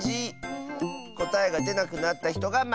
こたえがでなくなったひとがまけだよ。